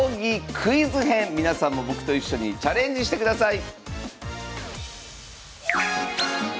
皆さんも僕と一緒にチャレンジしてください